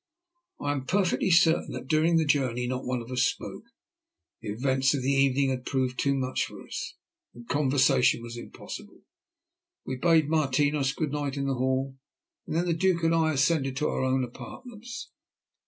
I am perfectly certain that during the journey not one of us spoke. The events of the evening had proved too much for us, and conversation was impossible. We bade Martinos "good night" in the hall, and then the Duke and I ascended to our own apartments.